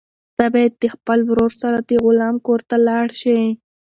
ته باید د خپل ورور سره د غلام کور ته لاړ شې.